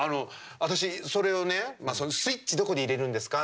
私、それをね、スイッチどこで入れるんですか？